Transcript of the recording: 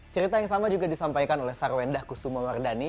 cerita yang sama juga disampaikan oleh sarwenda kusuma wardani